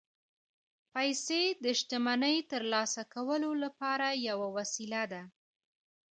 پیسې د شتمنۍ ترلاسه کولو لپاره یوه وسیله ده